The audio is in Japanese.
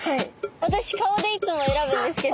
わたし顔でいつもえらぶんですけど。